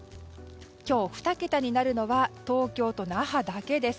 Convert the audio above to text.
今日、２桁になるのは東京と那覇だけです。